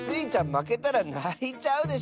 まけたらないちゃうでしょ？